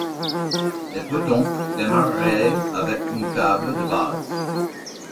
Et peut donc démarrer avec une table de base.